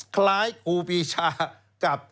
คล้ายกูพีซา